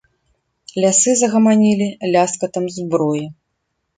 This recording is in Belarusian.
Лясы загаманілі ляскатам зброі.